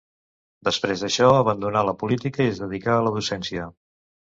Després d'això abandonà la política i es dedicà a la docència.